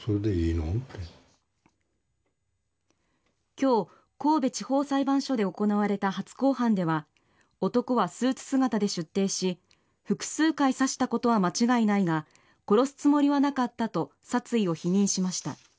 今日神戸地方裁判所で行われた初公判では男はスーツ姿で出廷し複数回刺したことは間違いないが殺すつもりはなかったと殺意を否認しました。